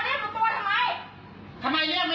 ตกขึ้นตัวทำไม